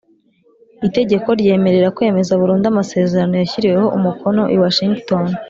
Itegeko ryemerera kwemeza burundu amasezerano yashyiriweho umukono i washington